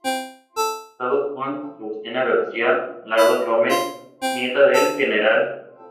Casado con Faustina García Lagos Gómez, nieta del Gral.